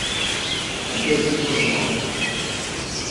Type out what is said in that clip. Anda ay tent-teẓẓmeḍ?